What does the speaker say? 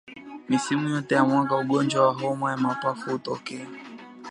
Misimu yote ya mwaka ugonjwa wa homa ya mapafu hutokea